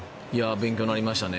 勉強になりましたね。